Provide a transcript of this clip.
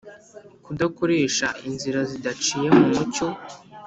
Kudakoresha inzira zidaciye mu mucyo